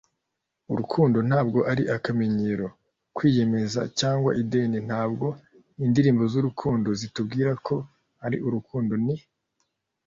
urukundo ntabwo ari akamenyero, kwiyemeza, cyangwa ideni ntabwo indirimbo z'urukundo zitubwira ko ari - urukundo ni